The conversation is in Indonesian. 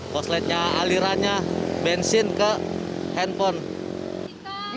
korsletnya alirannya bensin ke handphone